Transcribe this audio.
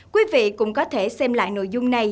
quý vị cũng có thể xem lại nội dung này